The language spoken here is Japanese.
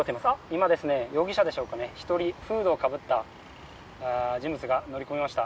今、容疑者でしょうか１人、フードをかぶった人物が乗り込みました。